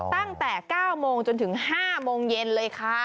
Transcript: ตั้งแต่๙โมงจนถึง๕โมงเย็นเลยค่ะ